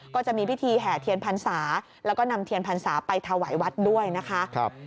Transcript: ก็จะมีพิธีแห่เทียนพรรษาแล้วก็นำเทียนพรรษาไปถวายวัดด้วยนะคะ